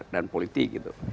dan politik gitu